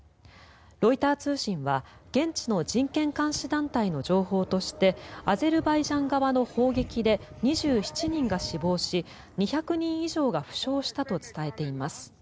ロイター通信は現地の人権監視団体の情報としてアゼルバイジャン側の砲撃で２７人が死亡し２００人以上が負傷したと伝えています。